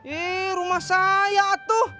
ih rumah saya tuh